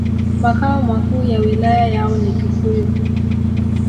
Makao makuu ya wilaya yao ni Tukuyu